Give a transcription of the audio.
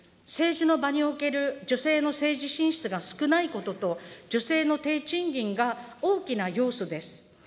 政治の場における女性の政治進出が少ないことと、女性の低賃金が大きな要素です。